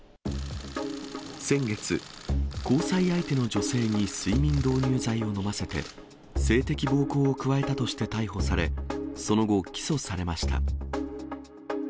先月、交際相手の女性に睡眠導入剤を飲ませて、性的暴行を加えたとして逮捕され、その後、起訴されました。